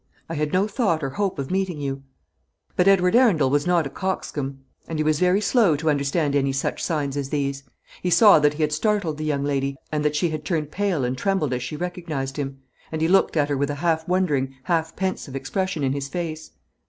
I had no thought or hope of meeting you." But Edward Arundel was not a coxcomb, and he was very slow to understand any such signs as these. He saw that he had startled the young lady, and that she had turned pale and trembled as she recognised him; and he looked at her with a half wondering, half pensive expression in his face.